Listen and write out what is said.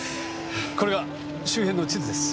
これが周辺の地図です。